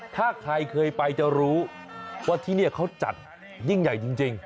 ถ้าใครเคยไปจะรู้ว่าที่นี่เขาจัดยิ่งใหญ่จริง